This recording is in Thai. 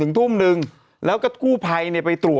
ดื่มน้ำก่อนสักนิดใช่ไหมคะคุณพี่